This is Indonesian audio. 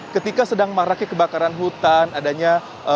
ketika sedang maraknya kebakaran hutan adanya